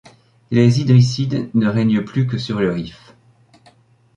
Les Idrissides ne règnent plus que sur le Rif.